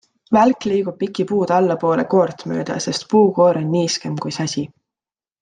Välk liigub piki puud allapoole koort mööda, sest puukoor on niiskem kui säsi.